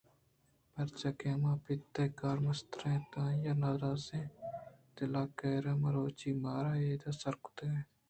پرچا کہ ہما پت ءِ کار مستر اَتءُ آئی ءِ نارضائیں دل ءِقہراں مروچی مارا اِدا ءَ سرکُتگ اَت